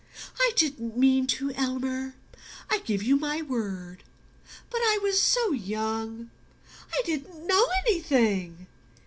"I didn't mean to, Elmer ... I give you my word but I was so young ... I didn't know anything...."